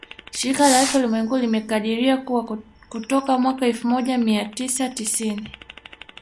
Shirika la Afya Ulimwenguni limekadiria kuwa kutoka mwaka elfu moja mia tisa tisini